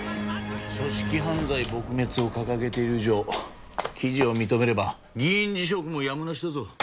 組織犯罪撲滅を掲げている以上記事を認めれば議員辞職もやむなしだぞ。